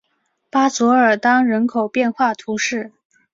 巴佐尔当人口变化图示